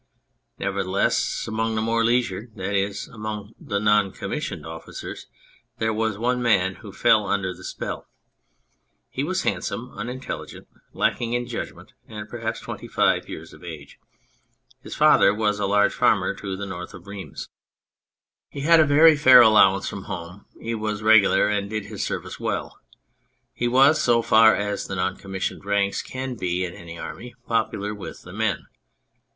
Nevertheless, among the more leisured, that is, among the non commissioned officers, there was one man who fell under the spell. He was handsome, unintelligent, lacking in judg ment, and perhaps twenty five years of age. His father was a large farmer to the north of Rheims ; 169 On Anything he had a very fair allowance from home ; he was regular and did his service well ; he was, so far as the non commissioned ranks can be in any army, popular with the men.